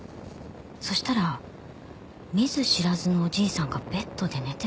そしたら見ず知らずのおじいさんがベッドで寝てたの。